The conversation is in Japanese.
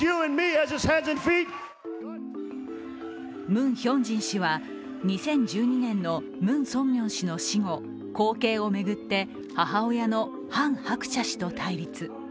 ムン・ヒョンジン氏は２０１２年のムン・ソンミョン氏の死後、後継を巡って母親のハン・ハクチャ氏と対立。